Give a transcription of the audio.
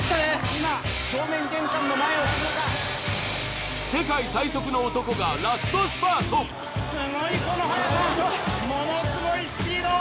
今正面玄関の前を通過世界最速の男がすごいこの速さものすごいスピード